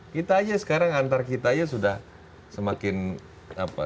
kita aja sekarang antar kita aja sudah semakin apa